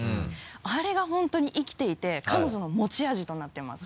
あれが本当に生きていて彼女の持ち味となってます。